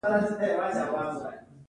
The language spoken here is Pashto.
هغوی د ژمنې په بڼه خزان سره ښکاره هم کړه.